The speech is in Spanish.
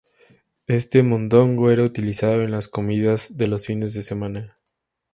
Este mondongo, era utilizado en las comidas de los fines de semana.